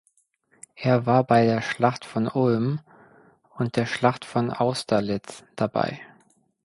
Er war bei der Schlacht von Ulm und der Schlacht von Austerlitz dabei.